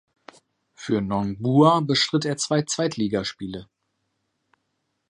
Für Nongbua bestritt er zwei Zweitligaspiele.